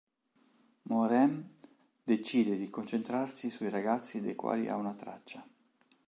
Moiraine decide di concentrarsi sui ragazzi dei quali ha una traccia.